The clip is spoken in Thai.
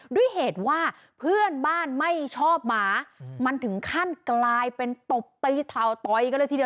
ด้วยเหตุว่าเพื่อนบ้านไม่ชอบหมามันถึงขั้นกลายเป็นตบตีเทาต่อยกันเลยทีเดียว